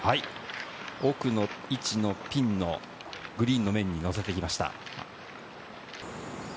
奥の位置のピンのグリーンの上に乗せてきました。